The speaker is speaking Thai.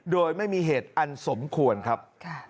โดยไม่มีเหตุอันสมควรครับ